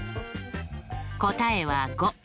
答えは５。